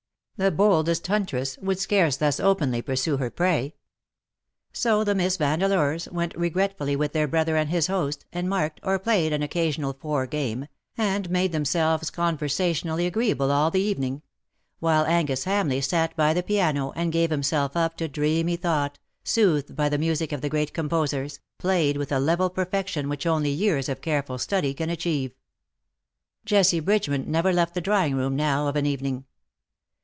The boldest huntress would scarce thus openly pursue her prey. So the Miss Vandeleurs went regretfully with their brother and his host_, and marked, or played an occasional four game, and made themselves conversationally agreeable all the evening; while Angus Hamleigh sat by the piano, and gave himself up to dreamy thought, soothed by the music of the great composers, played with a level per fection which only years of careful study can achieve. Jessie Bridgeman never left the drawing room now of an evening.